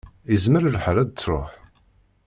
Izmer lḥal ad d-tṛuḥ.